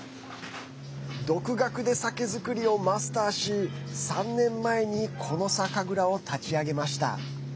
独学で酒造りをマスターし３年前にこの酒蔵を立ち上げました。